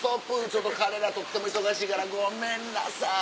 ちょっと彼らとっても忙しいからごめんなさい！」。